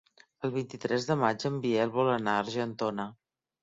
El vint-i-tres de maig en Biel vol anar a Argentona.